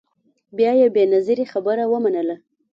بیا یې بنظیري خبره ومنله